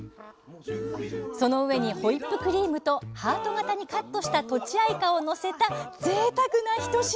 その上にホイップクリームとハート型にカットしたとちあいかをのせたぜいたくな一品！